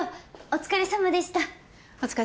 お疲れさまでした。